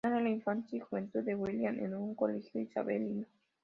Narra la infancia y juventud de William en un colegio isabelino.